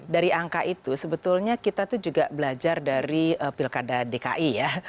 dari angka itu sebetulnya kita tuh juga belajar dari pilkada dki ya